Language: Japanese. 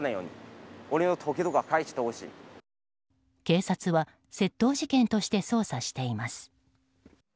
警察は窃盗事件として捜査しています。